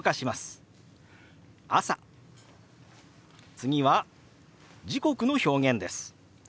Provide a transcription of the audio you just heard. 次は時刻の表現です。